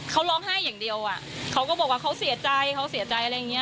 เขาร้องไห้อย่างเดียวอ่ะเขาก็บอกว่าเขาเสียใจเขาเสียใจอะไรอย่างเงี้